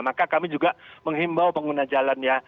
maka kami juga menghimbau pengguna jalan ya